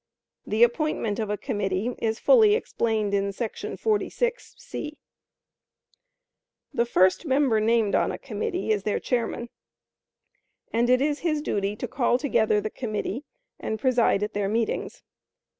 The appointment of a committee is fully explained in § 46 (c). The first member named on a committee is their chairman, and it is his duty to call together the committee, and preside at their meetings.